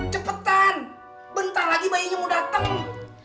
cepetan bentar lagi bayinya mau datang